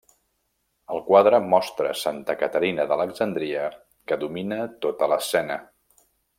El quadre mostra Santa Caterina d'Alexandria, que domina tota l'escena.